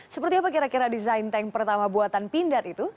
seperti apa kira kira desain tank pertama buatan pindad itu